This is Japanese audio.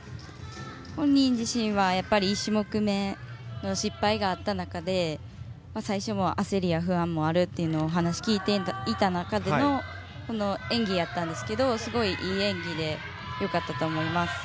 本人自身は１種目めの失敗があった中で最初、焦りや不安もあるというお話を聞いていた中でのこの演技やったんですけどすごいいい演技でよかったと思います。